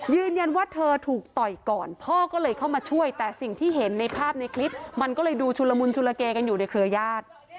ยืนยันว่าเธอถูกต่อยก่อนพ่อก็เลยเข้ามาช่วยแต่สิ่งที่เห็นในภาพในคลิปมันก็เลยดูชุลมุนชุลเกกันอยู่ในเครือญาติ